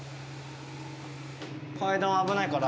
階段は危ないからね。